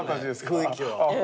雰囲気は。